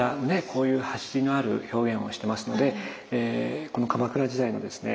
こういう走りのある表現をしてますのでこの鎌倉時代のですね